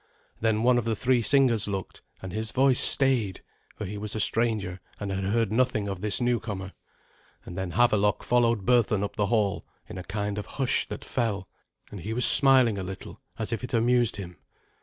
Then one of the three singers looked, and his voice stayed, for he was a stranger, and had heard nothing of this newcomer, and then Havelok followed Berthun up the hall in a kind of hush that fell, and he was smiling a little, as if it amused him.